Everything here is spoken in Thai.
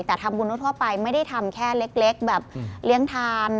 แต่ทำบุญทั่วไปไม่ได้ทำแค่เล็กแบบเลี้ยงทาน